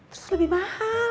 terus lebih mahal